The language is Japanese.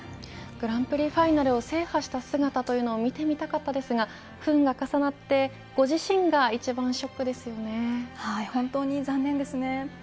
グランプリファイナルを制覇した姿というのを見てみたかったですが不運が重なって本当に残念ですね。